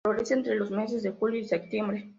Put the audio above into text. Florece entre los meses de julio y septiembre.